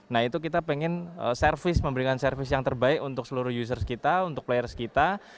nah itu kita pengen service memberikan service yang terbaik untuk seluruh users kita untuk players kita